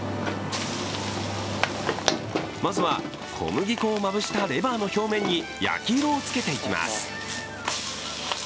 まずは小麦粉をまぶしたレバーの表面に焼き色をつけていきます。